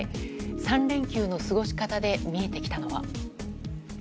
３連休の過ごし方で見えてきたのは。